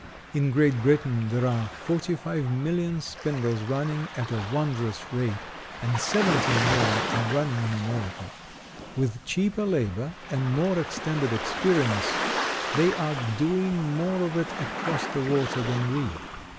In Great Britain there are 45,000,000 spindles running at a wondrous rate, and 17,000,000 are running in America. With cheaper labor and more extended experience, they are doing more of it across the water than we.